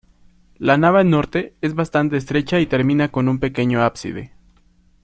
La nave norte es bastante estrecha y termina con un pequeño ábside.